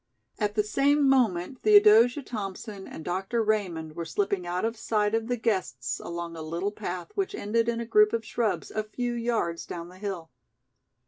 At the same moment Theodosia Thompson and Dr. Raymond were slipping out of sight of the guests along a little path which ended in a group of shrubs a few yards down the hill.